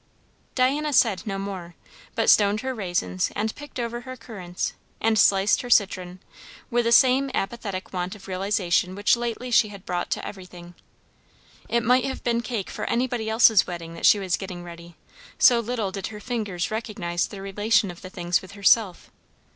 Diana said no more, but stoned her raisins and picked over her currants and sliced her citron, with the same apathetic want of realization which lately she had brought to everything. It might have been cake for anybody else's wedding that she was getting ready, so little did her fingers recognise the relation of the things with herself.